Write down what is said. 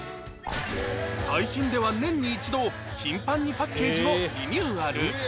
最近では年に一度頻繁にパッケージをリニューアル